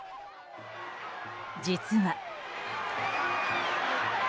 実は。